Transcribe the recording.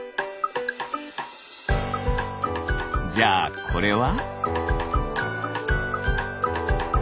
じゃあこれは？